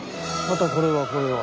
またこれはこれは。